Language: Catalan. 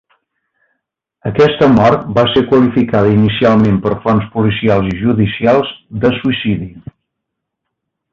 Aquesta mort va ser qualificada inicialment per fonts policials i judicials de suïcidi.